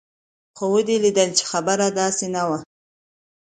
خو ودې ليدل چې خبره داسې نه وه.